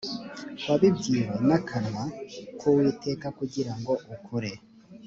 wabibwiwe n akanwa k uwiteka kugira ngo ukure